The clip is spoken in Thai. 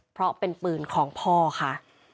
เพราะเป็นปืนของพ่อค่ะ